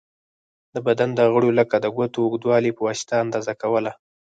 د بدن د غړیو لکه د ګوتو اوږوالی په واسطه اندازه کوله.